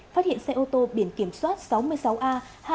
phát hiện xe ô tô biển kiểm soát sáu mươi sáu a